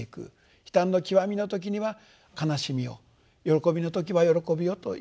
悲嘆の極みの時には悲しみを喜びの時は喜びをというきちっと。